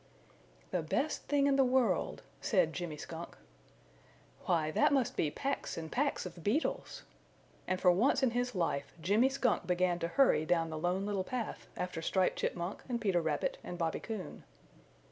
"The Best Thing in the World," said Jimmy Skunk. "Why, that must be packs and packs of beetles!" And for once in his life Jimmy Skunk began to hurry down the Lone Little Path after Striped Chipmunk and Peter Rabbit and Bobby Coon.